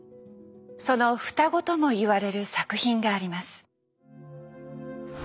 その双子ともいわれる作品があります。